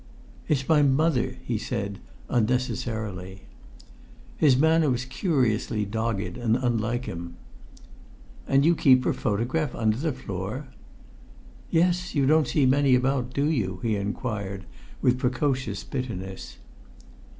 "It's my mother," he said unnecessarily. His manner was curiously dogged and unlike him. "And you keep her photograph under the floor?" "Yes; you don't see many about, do you?" he inquired with precocious bitterness.